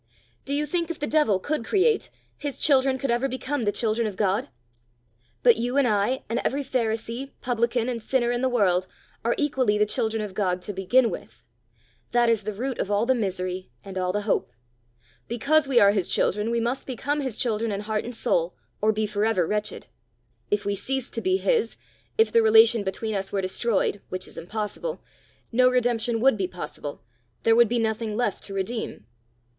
Do you think if the devil could create, his children could ever become the children of God? But you and I, and every pharisee, publican, and sinner in the world, are equally the children of God to begin with. That is the root of all the misery and all the hope. Because we are his children, we must become his children in heart and soul, or be for ever wretched. If we ceased to be his, if the relation between us were destroyed, which is impossible, no redemption would be possible, there would be nothing left to redeem."